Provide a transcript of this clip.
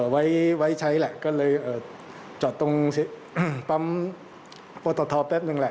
ไว้ใช้แหละก็เลยจอดตรงปั๊มปตทแป๊บนึงแหละ